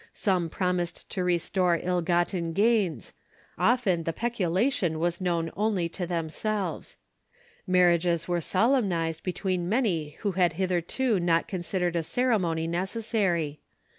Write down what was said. Some promised to restore ill gotten gains; often the peculation was known only to themselves. Marriages were solemnized between many who had hitherto not considered a ceremony necessary.